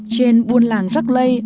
trên buôn làng rắc lây